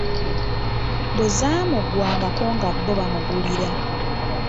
Bwe zaamuggwangako nga bo bamugulira.